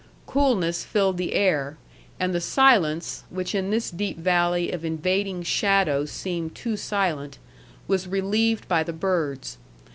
Coolness filled the air, and the silence, which in this deep valley of invading shadow seemed too silent, was relieved by the birds.